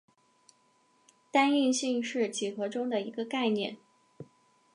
单应性是几何中的一个概念。